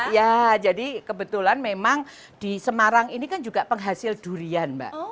ya jadi kebetulan memang di semarang ini kan juga penghasil durian mbak